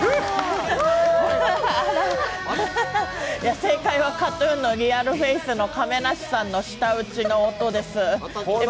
正解はＫＡＴ−ＴＵＮの「ＲｅａｌＦａｃｅ」の亀梨さんの舌打ちの音です。